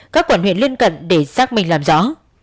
các quản huyện liên cận để xác minh làm rõ